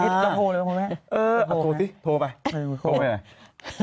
พูดสิแล้ว